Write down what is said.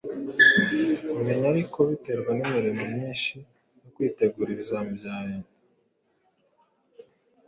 Umenya ariko biterwa n’imirimo myinshi yo kwitegura ibizamini bya Leta.